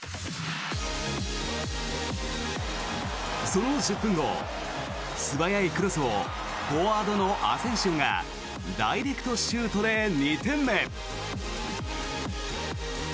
その１０分後、素早いクロスをフォワードのアセンシオがダイレクトシュートで２点目。